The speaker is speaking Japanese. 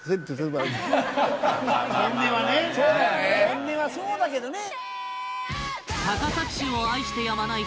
本音はそうだけどね